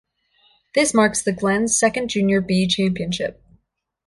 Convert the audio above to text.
This marks the Glens Second Junior "B" Championship.